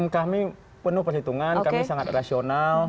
kami penuh perhitungan kami sangat rasional